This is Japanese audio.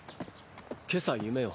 今朝夢を。